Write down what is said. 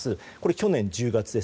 去年１０月です。